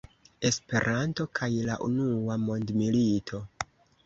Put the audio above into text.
Esperanto kaj la unua mondmilito.